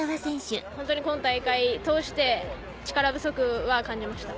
本当に今大会通して力不足は感じました。